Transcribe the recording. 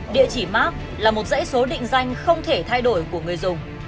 địa chỉ mark là một dãy số định danh không thể thay đổi của người dùng